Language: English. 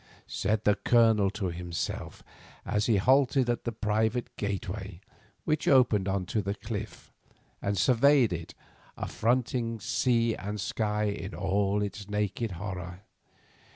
said the Colonel to himself as he halted at the private gateway which opened on to the cliff and surveyed it affronting sea and sky in all its naked horror.